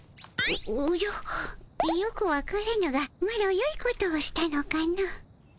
おじゃよくわからぬがマロよいことをしたのかの？